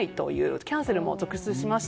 キャンセルも続出しました。